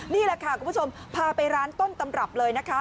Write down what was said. นี่แหละค่ะคุณผู้ชมพาไปร้านต้นตำรับเลยนะคะ